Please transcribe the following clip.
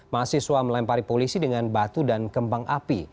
mahasiswa melempari polisi dengan batu dan kembang api